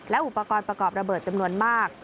อุปกรณ์ประกอบระเบิดจำนวนมาก